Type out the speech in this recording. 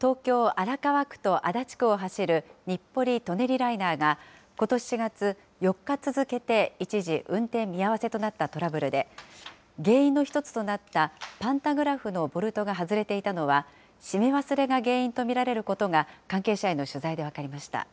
東京・荒川区と足立区を走る日暮里・舎人ライナーが、ことし４月、４日続けて一時運転見合わせとなったトラブルで、原因の１つとなったパンタグラフのボルトが外れていたのは、締め忘れが原因と見られることが、関係者への取材で分かりました。